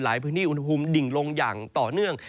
พื้นที่อุณหภูมิดิ่งลงอย่างต่อเนื่อง